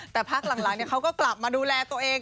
แต่พักหลังเขาก็กลับมาดูแลตัวเอง